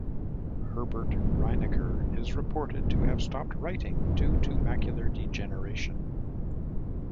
Herbert Reinecker is reported to have stopped writing due to macular degeneration.